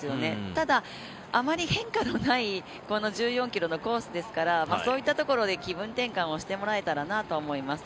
ただ、あまり変化のないこの１４ｋｍのコースですからそういったところで気分転換をしてもらえたらなと思います。